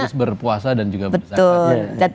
terus berpuasa dan juga bersama